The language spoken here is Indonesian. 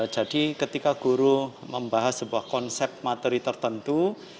jadi ketika guru membahas sebuah konsep materi tertentu